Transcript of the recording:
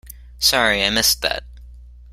Sorry, I missed that.